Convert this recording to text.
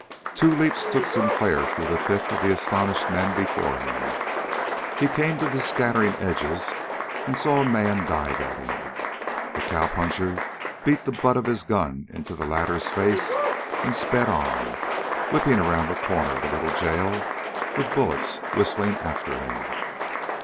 Two leaps took Sinclair through the thick of the astonished men before him. He came to the scattering edges and saw a man dive at him. The cowpuncher beat the butt of his gun into the latter's face and sped on, whipping around the corner of the little jail, with bullets whistling after him.